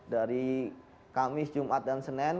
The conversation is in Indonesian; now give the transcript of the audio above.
dari kamis jumat dan senin